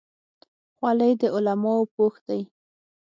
خولۍ د علماو پوښ دی.